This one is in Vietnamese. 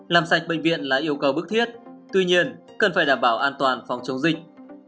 làm sạch bệnh viện là yêu cầu bức thiết tuy nhiên cần phải đảm bảo an toàn phòng chống dịch